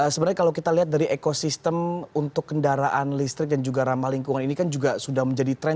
sebenarnya kalau kita lihat dari ekosistem untuk kendaraan listrik dan juga ramah lingkungan ini kan juga sudah menjadi tren